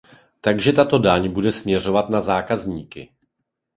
Takže tato daň bude směřovat na zákazníky.